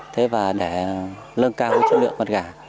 thế và để lân cao chất lượng mặt gà